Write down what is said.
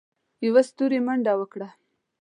يوه ستوري منډه وکړه.